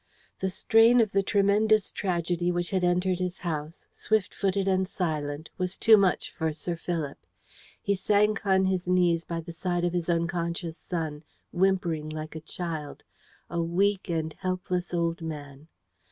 The strain of the tremendous tragedy which had entered his house, swift footed and silent, was too much for Sir Philip. He sank on his knees by the side of his unconscious son, whimpering like a child a weak and helpless old man.